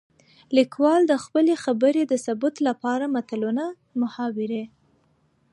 ليکوال د خپلې خبرې د ثبوت لپاره متلونه ،محاورې